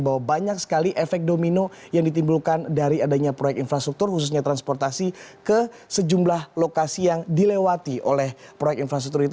bahwa banyak sekali efek domino yang ditimbulkan dari adanya proyek ini